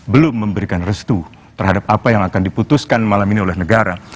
belum memberikan restu terhadap apa yang akan diputuskan malam ini oleh negara